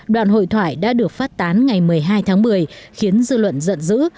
đoàn hội thoại đã được phát tán ngày một mươi hai tháng một mươi khiến dư luận giận dữ